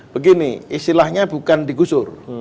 begini istilahnya bukan digusur